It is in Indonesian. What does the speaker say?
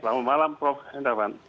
selamat malam prof endavan